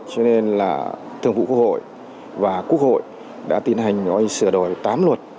cho nên là thường vụ quốc hội và quốc hội đã tiến hành sửa đổi tám luật